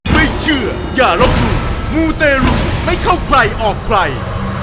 ไม่เชื่ออย่าลบหลู่มูเตรุไม่เข้าใครออกใคร